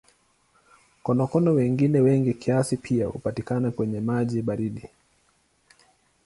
Konokono wengine wengi kiasi pia hupatikana kwenye maji baridi.